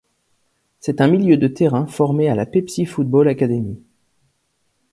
C'est un milieu de terrain formé à la Pepsi Football Academy.